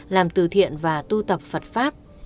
làm từ thiện và tu tập phật pháp